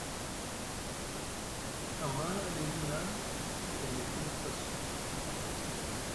Amma aliɗi naa e hni tiɗi fras.